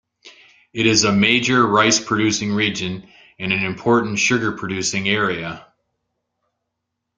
It is a major rice-producing region and an important sugar-producing area.